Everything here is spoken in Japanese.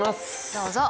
どうぞ。